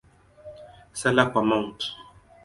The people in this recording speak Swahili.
Sala kwa Mt.